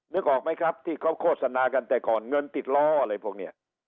นึกออกไหมครับที่เขาโฆษณากันแต่ก่อนเงินติดล้ออะไรพวกนี้